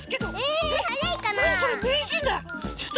なにそれめいじんだ！